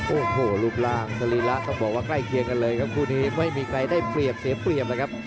โอ้โหรูปร่างสรีระต้องบอกว่าใกล้เคียงกันเลยครับคู่นี้ไม่มีใครได้เปรียบเสียเปรียบเลยครับ